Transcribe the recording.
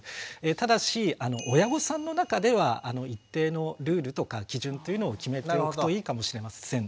ただし親御さんの中では一定のルールとか基準というのを決めておくといいかもしれません。